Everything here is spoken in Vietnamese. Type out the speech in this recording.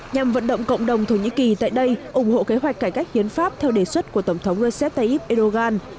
nhằm vận động cộng đồng thổ nhĩ kỳ tại đây ủng hộ kế hoạch cải cách hiến pháp theo đề xuất của tổng thống recep tayyip erdogan